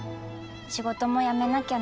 仕事も辞めなきゃね。